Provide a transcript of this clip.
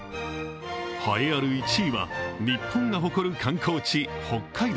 栄えある１位は日本が誇る観光地、北海道。